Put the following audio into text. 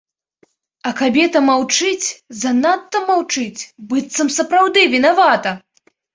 А кабета маўчыць, занадта маўчыць, быццам сапраўды вінавата.